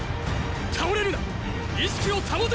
倒れるなっ！